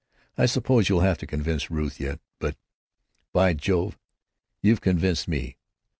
I suppose you'll have to convince Ruth yet, but, by Jove! you've convinced me!